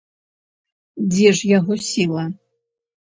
Дзе ж яго сіла?